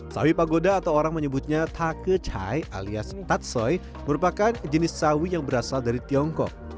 sawi pagoda atau orang menyebutnya take chai alias tatsoi merupakan jenis sawi yang berasal dari tiongkok